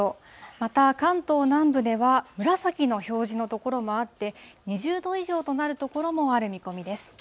また関東南部では紫の表示の所もあって、２０度以上となる所もある見込みです。